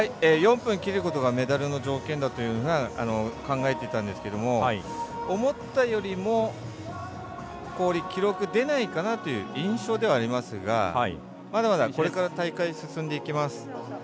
４分切ることがメダルの条件だと考えていたんですけれども思ったよりも氷、記録出ないかなという印象ではありますがまだまだこれから大会進んでいきます。